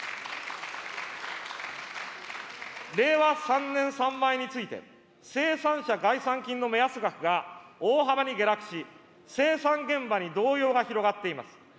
令和３年産米について、生産者概算金の目安額が大幅に下落し、生産現場に動揺が広がっています。